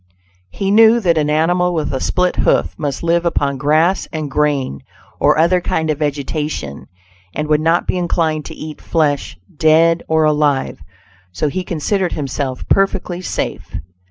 He knew that an animal with a split hoof must live upon grass and grain, or other kind of vegetation, and would not be inclined to eat flesh, dead or alive, so he considered himself perfectly safe.